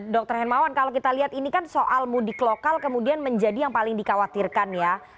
dr hermawan kalau kita lihat ini kan soal mudik lokal kemudian menjadi yang paling dikhawatirkan ya